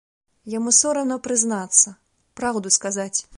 Яму сорамна прызнацца, праўду сказаць.